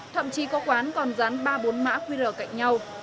thậm chí có quán còn dán ba bốn mã qr cạnh nhau